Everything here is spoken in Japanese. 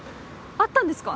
会ったんですか？